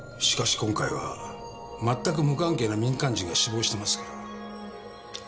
しかし今回はまったく無関係な民間人が死亡してますから。